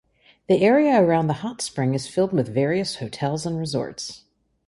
The area around the hot spring is filled with various hotels and resorts.